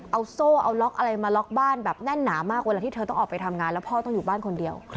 เอาโซ่เอาล็อกอะไรมาล็อกบ้านแบบแน่นหนามากเวลาที่เธอต้องออกไปทำงานแล้วพ่อต้องอยู่บ้านคนเดียว